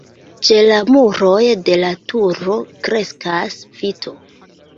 Ĉe la muroj de la turo kreskas vito.